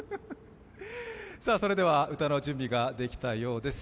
それでは歌の準備ができたようです。